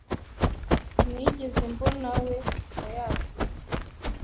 Sinigeze mbonawe kuva yagenda.